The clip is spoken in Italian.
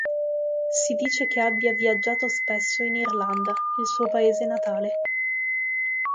Si dice che abbia viaggiato spesso in Irlanda, il suo paese natale.